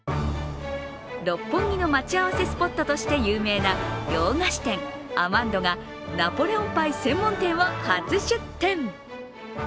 六本木の待ち合わせスポットとして有名な洋菓子店・アマンドがナポレオンパイ専門店を初出店。